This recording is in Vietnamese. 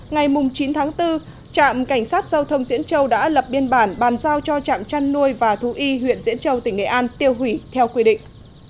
ngày chín tháng bốn trạm cảnh sát giao thông diễn châu đã lập biên bản bàn giao cho trạm chăn nuôi và thú y huyện diễn châu tỉnh nghệ an tiêu hủy theo quy định